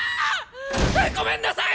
ごめんなさい！